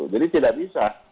jadi tidak bisa